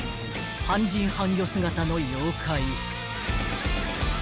［半人半魚姿の妖怪］